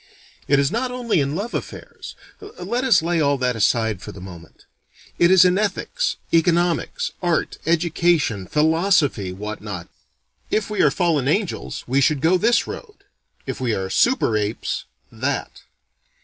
It is not only in love affairs: let us lay all that aside for the moment. It is in ethics, economics, art, education, philosophy, what not. If we are fallen angels, we should go this road: if we are super apes, that.